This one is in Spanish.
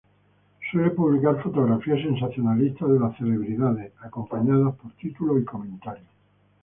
Suele publicar fotografías sensacionalistas de las celebridades, acompañadas por títulos y comentarios.